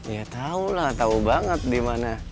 ya tau lah tau banget dimana